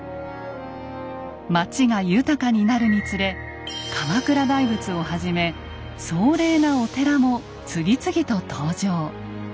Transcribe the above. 町が豊かになるにつれ鎌倉大仏をはじめ壮麗なお寺も次々と登場。